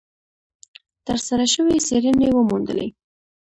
ترسره شوې څېړنې وموندلې،